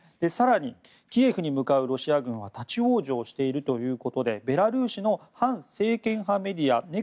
更に、キエフに向かうロシア軍は立ち往生しているということでベラルーシの反政権派メディア